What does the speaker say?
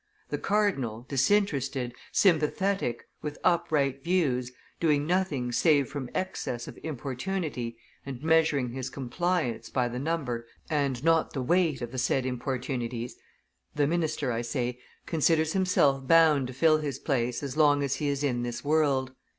The cardinal, disinterested, sympathetic, with upright views, doing nothing save from excess of importunity, and measuring his compliance by the number, and not the weight, of the said importunities, the minister, I say, considers himself bound to fill his place as long as he is in this world.